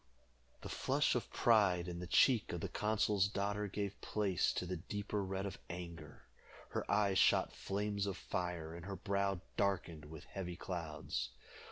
The flush of pride in the cheek of the consul's daughter gave place to the deeper red of anger. Her eyes shot flames of fire, and her brow darkened with heavy clouds.